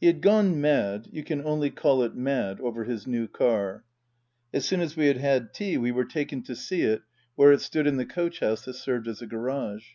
He had gone mad you can only call it mad over his new car. As soon as we had had tea we were taken to see it where it stood in the coach house that served as a garage.